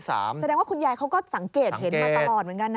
แสดงว่าคุณยายเขาก็สังเกตเห็นมาตลอดเหมือนกันนะ